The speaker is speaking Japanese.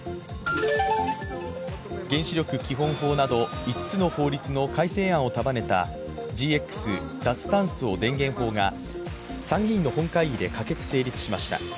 原子力基本法など５つの法律の改正案を束ねた、ＧＸ脱炭素電源法が、参議院の本会議で可決・成立しました。